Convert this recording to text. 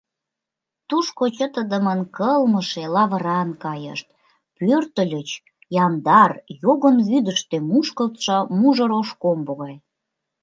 Тушко чытыдымын кылмыше, лавыран кайышт — пӧртыльыч яндар, йогын вӱдыштӧ мушкылтшо мужыр ош комбо гай...